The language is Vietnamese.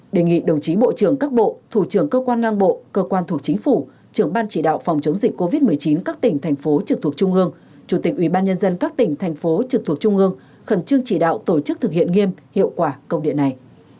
đề nghị đồng chí bộ trưởng các bộ thủ trưởng cơ quan ngang bộ cơ quan thuộc chính phủ trưởng ban chỉ đạo phòng chống dịch covid một mươi chín các tỉnh thành phố trực thuộc trung ương chủ tịch ubnd các tỉnh thành phố trực thuộc trung ương khẩn trương chỉ đạo tổ chức thực hiện nghiêm hiệu quả công điện này